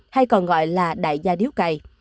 hay còn gọi là đại gia điếu cầy